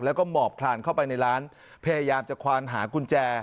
แล้วก็หมอบคลานเข้าไปในร้านพยายามจะควานหากุญแจ